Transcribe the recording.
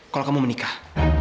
kalau kamu menikah